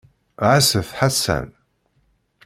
Ɛasset Ḥasan.